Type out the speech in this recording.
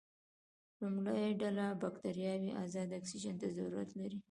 لومړۍ ډله بکټریاوې ازاد اکسیجن ته ضرورت لري.